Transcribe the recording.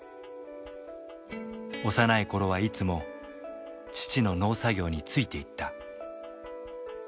幼い頃はいつも父の農作業についていった。